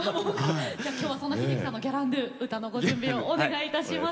今日はそんな秀樹さんの「ギャランドゥ」歌のご準備をお願いいたします。